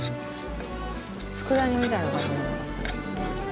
つくだ煮みたいな感じ。